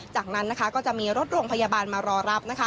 จากนั้นก็จะมีรถโรงพยาบาลมารอรับ